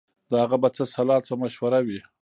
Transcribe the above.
د هغه به څه سلا څه مشوره وي